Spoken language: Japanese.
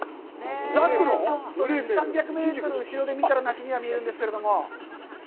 ちょっと２００３００メートル後ろで見たら、梨に見えるんですけれども。